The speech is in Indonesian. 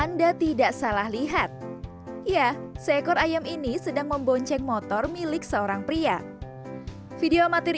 anda tidak salah lihat ya seekor ayam ini sedang membonceng motor milik seorang pria video amatir